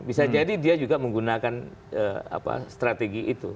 bisa jadi dia juga menggunakan strategi itu